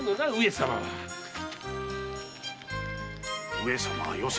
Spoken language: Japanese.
上様はよせ。